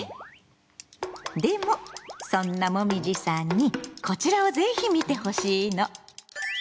でもそんなもみじさんにこちらをぜひ見てほしいの！